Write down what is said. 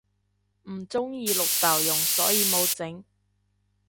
唔鍾意綠豆蓉所以無整